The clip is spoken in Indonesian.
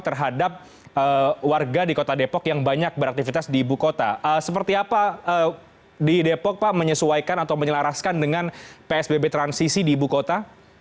terhadap warga di kota depok yang banyak beraktivitas di ibu kota seperti apa di depok pak menyesuaikan atau menyelaraskan dengan psbb transisi di ibu kota